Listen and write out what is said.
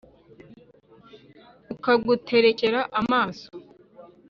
akaguterekera amaso